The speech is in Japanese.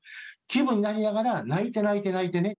気分になりながら泣いて泣いて泣いてね。